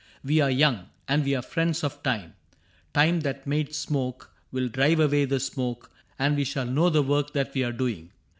We are young, And we are friends of time. Time that made smoke Will drive away the smoke, and we shall know The work that we are doing.